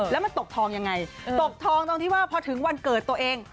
แล้วมันตกทองยังไงตกทองตรงที่ว่าพอถึงวันเกิดตัวเอง